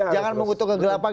jangan mengutuk kegelapan